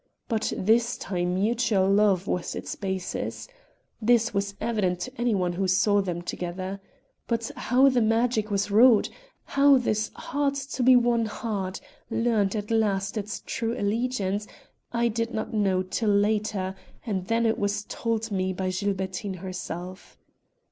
But this time mutual love was its basis. This was evident to any one who saw them together. But how the magic was wrought, how this hard to be won heart learned at last its true allegiance, I did not know till later, and then it was told me by Gilbertine herself.